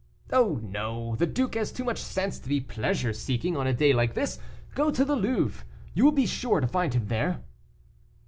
"Oh, no; the duke has too much sense to be pleasure seeking on a day like this. Go to the Louvre; you will be sure to find him there."